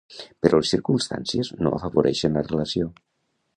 Però les circumstàncies no afavoreixen la relació.